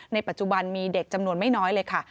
ในปัจจุบันมีเด็กจำนวนไม่น้อยเลยค่ะ